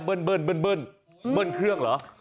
เบิ้ลเครื่องเหรอ